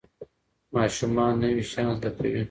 ماشومان نوي شیان زده کوي.